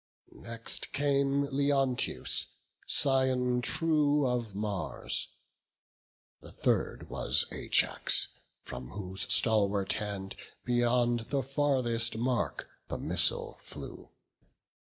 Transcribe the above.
Next came Leonteus, scion true of Mars; The third was Ajax; from whose stalwart hand Beyond the farthest mark the missile flew.